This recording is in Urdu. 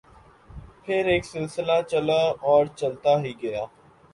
پھر ایک سلسلہ چلا اور چلتا ہی گیا۔